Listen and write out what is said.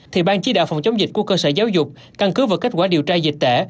thì ban chỉ đạo phòng chống dịch của cơ sở giáo dục căn cứ vào kết quả điều tra dịch tễ